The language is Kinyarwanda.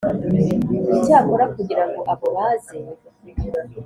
Icyakora kugira ngo abo baze